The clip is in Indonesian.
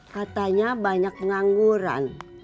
katanya banyak pengangguran